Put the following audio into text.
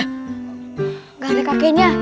tidak ada kakeknya